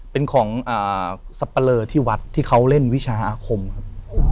เป็นของสับปะเลอที่วัดที่เขาเล่นวิชาอาคมครับ